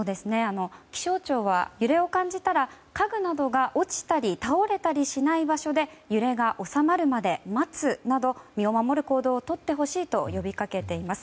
気象庁は、揺れを感じたら家具などが落ちたり倒れたりしない場所で揺れが収まるまで待つなど身を守る行動をとってほしいと呼びかけています。